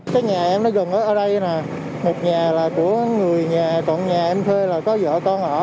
cái nhà em nó gần ở đây là một nhà là của người nhà trọn nhà em thuê là có vợ con ở